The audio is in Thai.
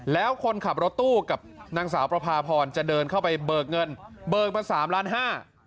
แล้วคนขับรถตู้กับนางสาวประพาพรจะเดินเข้าไปเบิกเงินเบิกมาสามล้านห้า